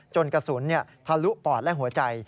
กระสุนทะลุปอดและหัวใจ